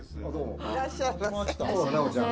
いらっしゃいませ。